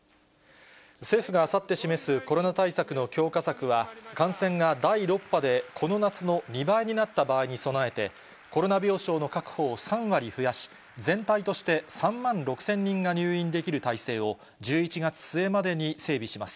政府があさって示すコロナ対策の強化策は、感染が第６波でこの夏の２倍になった場合に備えて、コロナ病床の確保を３割増やし、全体として３万６０００人が入院できる体制を、１１月末までに整備します。